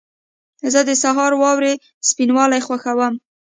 زه د سهار واورې سپینوالی خوښوم.